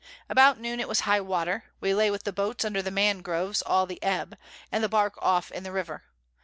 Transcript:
About Noon it was High water; we lay with the Boats under the Mangroves all the Ebb, and the Bark off in the River.